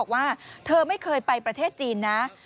ว่าเธอไม่เคยไปประเทศจีนนะ